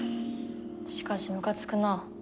しかしムカつくな。